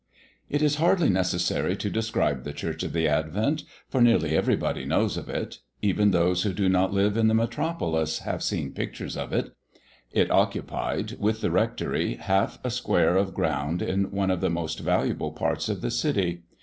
It is hardly necessary to describe the Church of the Advent, for nearly everybody knows of it; even those who do not live in the metropolis have seen pictures of it. It occupied, with the rectory, half a square of ground in one of the most valuable parts of the city.